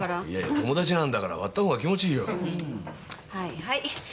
いやいや友達なんだから割った方が気持ちいいよ。